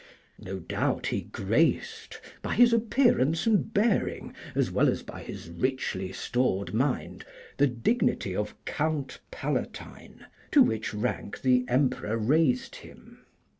No doubt he graced, by his appearance and bearing as well as by his richly stored mind, the dignity of Count Palatine, to which rank the Emperor raised him.